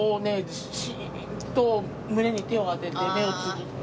ずーっと胸に手を当てて目をつむって。